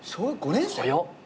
早っ。